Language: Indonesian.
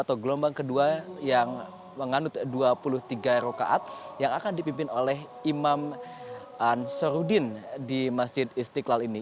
yang menganut dua puluh tiga rokaat yang akan dipimpin oleh imam nas harudin di masjid istiqlal ini